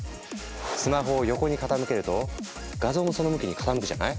スマホを横に傾けると画像もその向きに傾くじゃない？